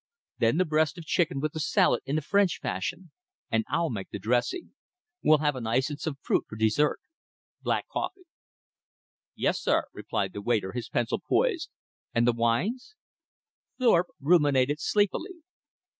Then the breast of chicken with the salad, in the French fashion. And I'll make the dressing. We'll have an ice and some fruit for dessert. Black coffee." "Yes, sir," replied the waiter, his pencil poised. "And the wines?" Thorpe ruminated sleepily.